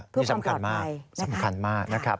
เพื่อความปลอดภัย